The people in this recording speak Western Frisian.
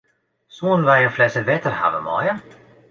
Soenen wy in flesse wetter hawwe meie?